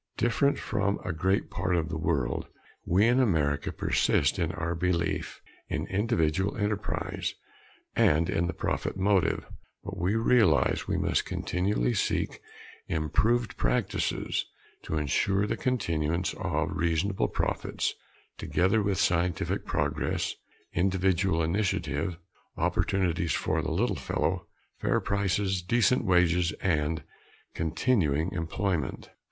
Different from a great part of the world, we in America persist in our belief in individual enterprise and in the profit motive; but we realize we must continually seek improved practices to insure the continuance of reasonable profits, together with scientific progress, individual initiative, opportunities for the little fellow, fair prices, decent wages and continuing employment.